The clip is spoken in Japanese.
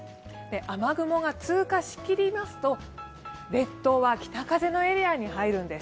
雨雲が通過しきりますと、列島は北風のエリアに入るんです。